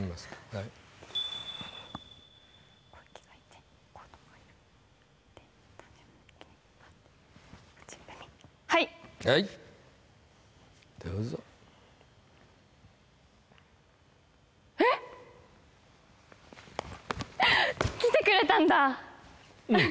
はいはいはいどうぞえっ来てくれたんだ